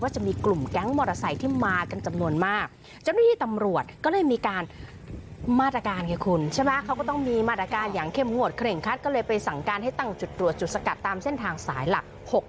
จุดตัวจุดสกัดตามเส้นทางสายหลัก